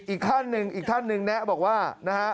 อีกท่านหนึ่งแนะบอกว่า